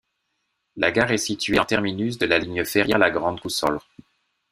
La gare est situé en terminus de la ligne Ferrière-la-Grande - Cousolre.